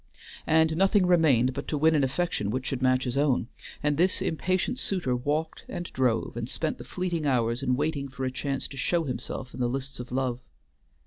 And nothing remained but to win an affection which should match his own, and this impatient suitor walked and drove and spent the fleeting hours in waiting for a chance to show himself in the lists of love.